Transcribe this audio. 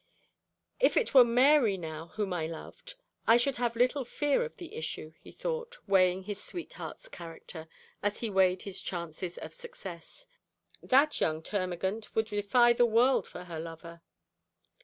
'If it were Mary now whom I loved, I should have little fear of the issue,' he thought, weighing his sweetheart's character, as he weighed his chances of success. 'That young termagant would defy the world for her lover.'